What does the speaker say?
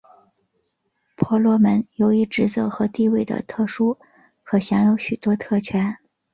婆罗门由于职责和地位的特殊可享有许多特权。